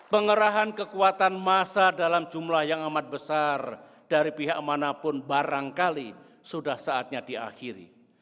pengerahan kekuatan massa dalam jumlah yang amat besar dari pihak manapun barangkali sudah saatnya diakhiri